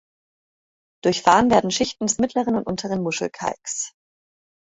Durchfahren werden Schichten des Mittleren und Unteren Muschelkalks.